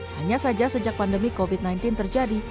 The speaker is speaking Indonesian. hanya saja sejak pandemi covid sembilan belas terjadi